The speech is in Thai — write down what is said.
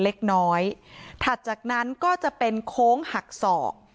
เล็กน้อยถัดจากนั้นก็จะเป็นโค้งหักศอก